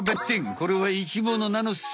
これは生きものなのっす！